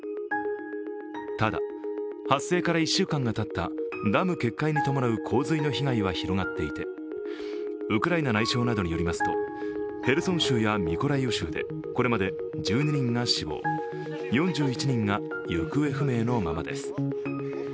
ただ、発生から１週間がたったダム決壊に伴う洪水の被害は広がっていてウクライナ内相などによりますと、ヘルソン州やミコライウ州でこれまで１２人が死亡、４１人が行方不明のままです。